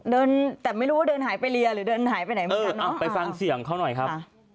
เดินแต่ไม่รู้ว่าเดินหายไปเรียหรือเดินหายไปไหนเหมือนกันไปฟังเสียงเขาหน่อยครับ